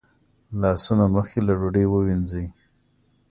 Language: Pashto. لاسونه مخکې له ډوډۍ ووینځئ